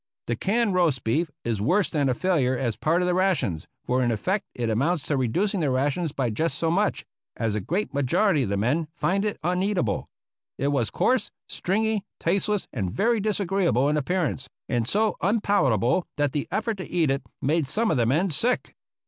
The canned roast beef is worse than a failure as part of the rations, for in effect it amounts to reducing the rations by just so much, as a great majority of the men find it uneatable. It was coarse, stringy, taste less, and very disagreeable in appearance, and so unpalata ble that the effort to eat it made some of the men sick.